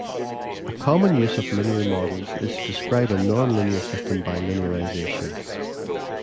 A common use of linear models is to describe a nonlinear system by linearization.